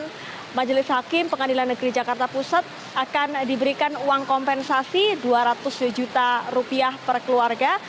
dan keputusan majelis hakim pengadilan negeri jakarta pusat akan diberikan uang kompensasi dua ratus juta rupiah per keluarga